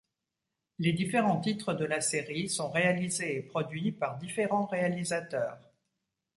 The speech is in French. Les différents titres de la série sont réalisés et produits par différents réalisateurs.